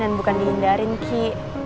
dan bukan dihindarin ki